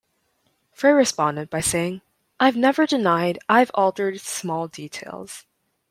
Frey responded by saying, I've never denied I've altered small details.